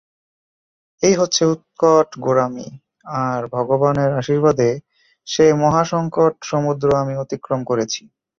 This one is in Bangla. এই হচ্ছে উৎকট গোঁড়ামি আর ভগবানের আশীর্বাদে সে মহাসঙ্কট-সমুদ্র আমি অতিক্রম করেছি।